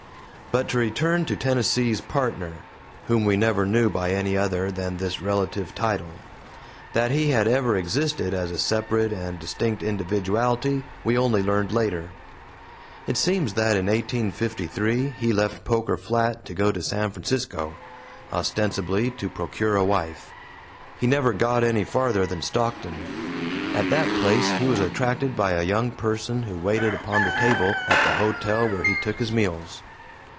But to return to Tennessee's Partner, whom we never knew by any other than this relative title; that he had ever existed as a separate and distinct individuality we only learned later. It seems that in 1853 he left Poker Flat to go to San Francisco, ostensibly to procure a wife. He never got any farther than Stockton. At that place he was attracted by a young person who waited upon the table at the hotel where he took his meals.